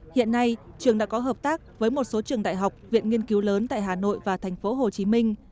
hiện nay trường đã có hợp tác với một số trường đại học viện nghiên cứu lớn tại hà nội và thành phố hồ chí minh